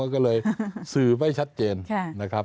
ก็เลยสื่อไม่ชัดเจนนะครับ